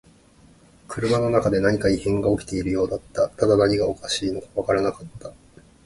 車の中で何か異変が起きているようだった。ただ何がおかしいのかわからなかった。